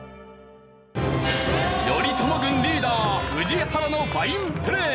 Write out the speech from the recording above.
頼朝軍リーダー宇治原のファインプレー！